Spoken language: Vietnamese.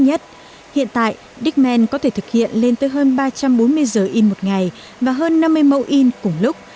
nhất hiện tại dickman có thể thực hiện lên tới hơn ba trăm bốn mươi giới in một ngày và hơn năm mươi mẫu in cùng lúc